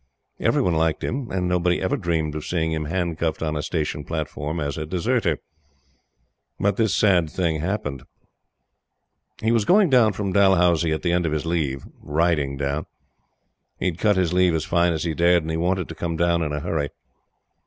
Everyone liked him; and nobody ever dreamed of seeing him handcuffed on a station platform as a deserter. But this sad thing happened. He was going down from Dalhousie, at the end of his leave riding down. He had cut his leave as fine as he dared, and wanted to come down in a hurry.